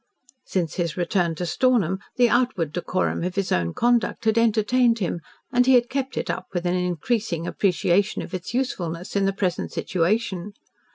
Since his return to Stornham the outward decorum of his own conduct had entertained him and he had kept it up with an increasing appreciation of its usefulness in the present situation.